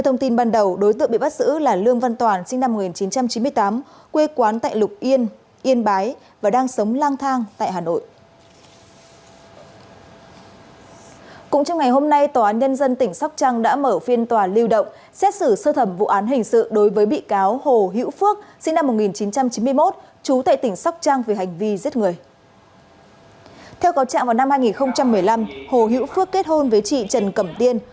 theo cáo trạng vào năm hai nghìn một mươi năm hồ hữu phước kết hôn với chị trần cẩm tiên